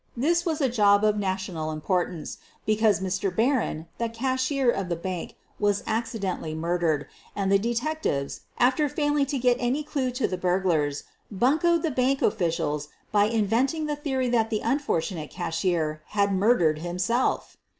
This was a job of national importance, because Mr. Barron, the cash ier of the bank, was accidentally murdered, and the detectives, after failing to get any clue to the burg lars, buncoed the bank officials by inventing the theory that the unfortunate cashier had murdered himself